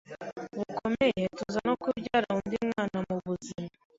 bukomeye tuza no kubyara undi mwana mu buzima